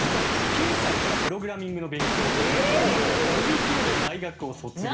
９歳からプログラミングの勉強を始めて飛び級で大学を卒業。